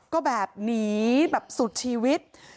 ก็แบบหนีแบบสุดชีวิต